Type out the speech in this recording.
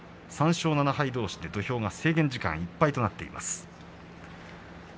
３勝７敗どうしで土俵が制限時間いっぱいとなっています。